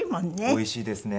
おいしいですね。